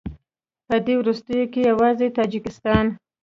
په دې وروستیو کې یوازې تاجکستان